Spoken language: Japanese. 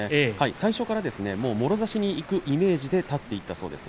最初からもろ差しにいくイメージで立っていたそうです。